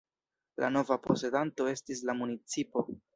La nova posedanto estis la municipo.